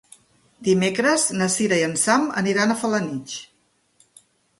Dimecres na Sira i en Sam aniran a Felanitx.